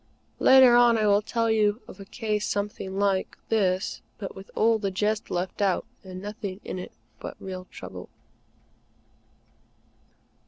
Later on, I will tell you of a case something like, this, but with all the jest left out and nothing in it but real trouble.